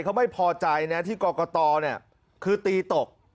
เขาไม่พอใจนะที่กรกตคือตีตก